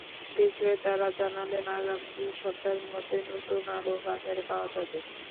বিক্রেতারা জানালেন, আগামী দুই সপ্তাহের মধ্যেই নতুন আলুও বাজারে পাওয়া যাবে।